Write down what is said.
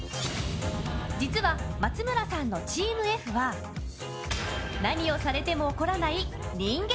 実は松村さんのチームＦは何をされても怒らない人間